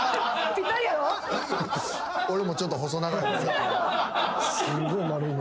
俺もちょっと細長い。